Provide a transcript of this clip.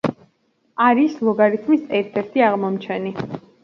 არის ლოგარითმის ერთ-ერთი აღმომჩენი.